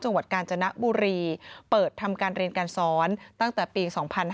จังหวัดกาญจนบุรีเปิดทำการเรียนการสอนตั้งแต่ปี๒๕๕๙